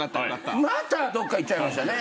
またどっか行っちゃいましたね。